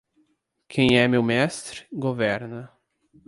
Quem é meu mestre, governa